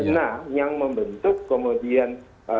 nah yang membentuk kemudian